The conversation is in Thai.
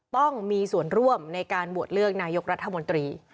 ต้องมีส่วนร่วมในการโหวตเลือกนายกรัฐมนตรี